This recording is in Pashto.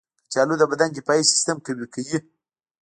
کچالو د بدن دفاعي سیستم قوي کوي.